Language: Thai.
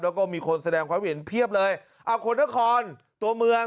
แล้วก็มีคนแสดงความเข้าใจเห็นเพียบเลยอ่ะโคนธครตัวเมือง